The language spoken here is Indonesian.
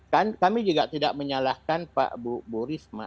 kan kami juga tidak menyalahkan pak bu risma